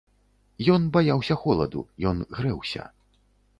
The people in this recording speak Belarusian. Ён баяўся холаду, ён грэўся.